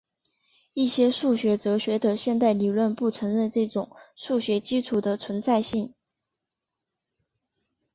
一些数学哲学的现代理论不承认这种数学基础的存在性。